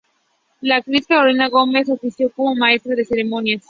La actriz Carolina Gómez ofició como maestra de ceremonias.